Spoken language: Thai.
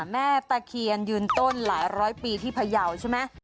แม่ตะเคียนยืนต้นหลายร้อยปีที่พยาวใช่ไหม